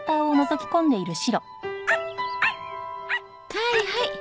はいはい。